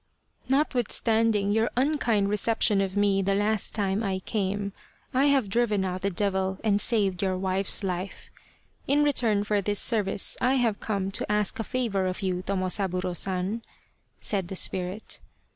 " Notwithstanding your unkind reception of me the last time I came, I have driven out the devil and 85 The Spirit of the Lantern saved your wife's life. In return for this service I have come to ask a favour of you, Tomosaburo San," said the spirit.